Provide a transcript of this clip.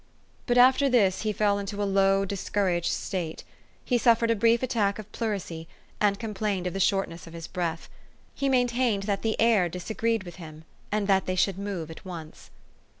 But after this he fell into a low, discouraged state. He suffered a brief attack of pleurisy, and complained of the shortness of his breath. He maintained that the air disagreed with him, and that they should move at once.